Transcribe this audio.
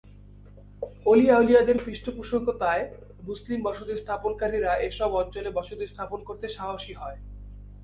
অলি-আউলিয়াদের পৃষ্ঠপোষকতায় মুসলিম বসতি স্থাপনকারীরা এসব অঞ্চলে বসতি স্থাপন করতে সাহসী হয়।